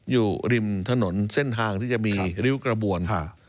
อยู่ริมถนนเส้นทางที่จะมีริ้วกระบวน